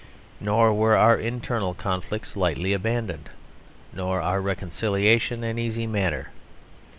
Nor were our internal conflicts lightly abandoned; nor our reconciliations an easy matter.